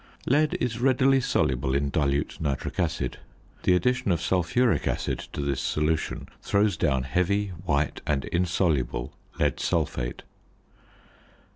Lead is readily soluble in dilute nitric acid. The addition of sulphuric acid to this solution throws down heavy, white, and insoluble lead sulphate.